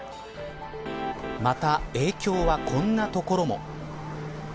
また影響はこんなところも。